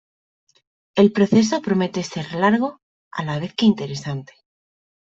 El proceso promete ser largo, a la vez que interesante.